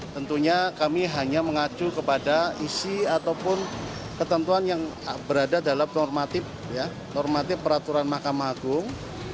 tentunya kami hanya mengacu kepada isi ataupun ketentuan yang berada dalam normatif peraturan mahkamah agung